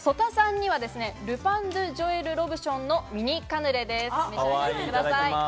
曽田さんにはルパンドゥジョエル・ロブションのミニカヌレです。